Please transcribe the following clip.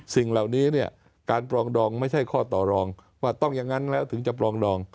สิ่งเหล่านี้เนี่ยการปรองดองไม่ใช่ข้อต่อรองว่าต้องอย่างนั้นแล้วถึงจะปรองดอง